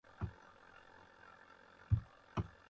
اوسازی مُلوئے کِھسِجیْ ڈھم ڈھم تھاؤ۔